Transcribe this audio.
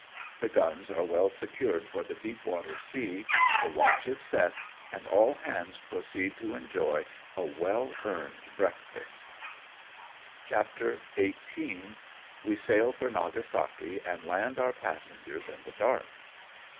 The guns are well secured for the deep water sea, the watch is set, and all hands proceed to enjoy a well earned breakfast. CHAPTER XVIIL WE SAIL FOE NAGASAKI AND LAND ODK PASSENGERS IN THE DARK.